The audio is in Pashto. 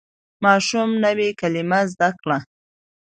ماشوم نوې کلمه زده کړه